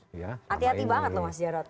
hati hati banget loh mas jarod